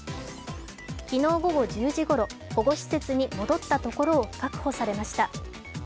昨日午後１０時ごろ、保護施設に戻ったところを確保されました。